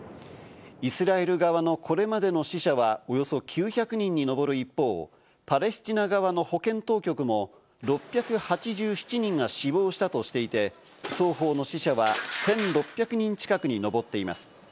イスラエル側のこれまでの死者はおよそ９００人に上る一方、パレスチナ側の保健当局も６８７人が死亡したとしていて、双方の死者は１６００人近くに上っています。